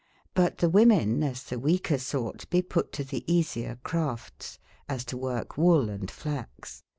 But tbe women, as tbe weaher sort, be put to tbe easyer craf tes ; as to worke wolle^ flaxe.